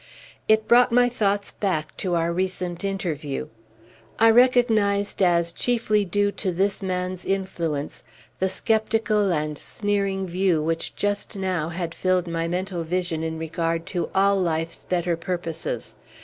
It brought my thoughts back to our recent interview. I recognized as chiefly due to this man's influence the sceptical and sneering view which just now had filled my mental vision in regard to all life's better purposes.